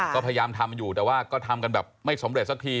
ก็พยายามทำอยู่แต่ว่าก็ทำกันแบบไม่สำเร็จสักที